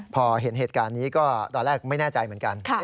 พอเห็นเหตุการณ์นี้ก็ตอนแรกไม่แน่ใจเหมือนกัน